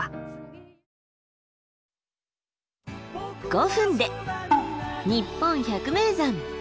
５分で「にっぽん百名山」。